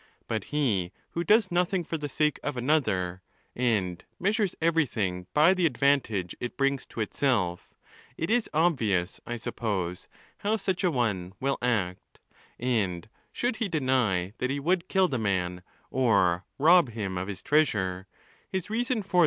But he who does nothing for the sake of another, and measures everything by the advantage it brings to itself, it is obvious, I suppose, how such a one will act; and should he deny that he would kill the man, or rob him of his treasure, his reason for.